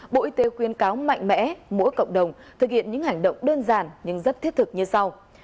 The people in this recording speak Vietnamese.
bộ y tế khuyên cáo mạnh mẽ mỗi cộng đồng thực hiện những hành động đơn giản nhưng rất thiết thực như sau